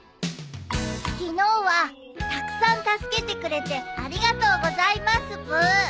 昨日はたくさん助けてくれてありがとうございますブー。